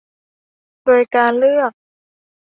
โดยการเลือก